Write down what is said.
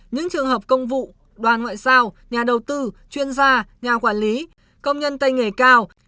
những trường hợp công vụ đoàn ngoại giao nhà đầu tư chuyên gia nhà quản lý công nhân tay nghề cao